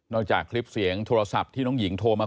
จากคลิปเสียงโทรศัพท์ที่น้องหญิงโทรมา